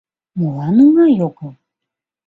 — Молан оҥай огыл?